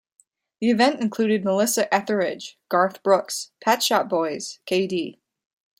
The event included Melissa Etheridge, Garth Brooks, Pet Shop Boys, k.d.